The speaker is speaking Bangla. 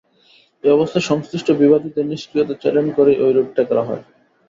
এ অবস্থায় সংশ্লিষ্ট বিবাদীদের নিষ্ক্রিয়তা চ্যালেঞ্জ করেই ওই রিটটি করা হয়।